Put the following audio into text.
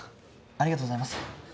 ありがとうございます。